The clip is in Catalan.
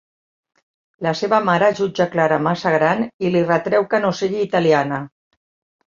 La seva mare jutja Clara massa gran i li retreu que no sigui italiana.